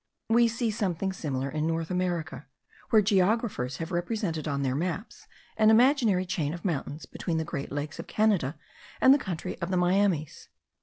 We see something similar in North America, where geographers have represented on their maps an imaginary chain of mountains, between the great lakes of Canada and the country of the Miamis.